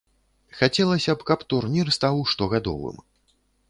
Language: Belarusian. Хацелася б, каб турнір стаў штогадовым.